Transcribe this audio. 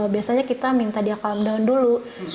biasanya kita minta dia calm down dulu